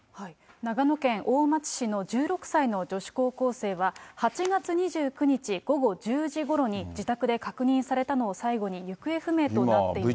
長野県大町市の１６歳の女子高校生は、８月２９日午後１０時ごろに自宅で確認されたのを最後に行方不明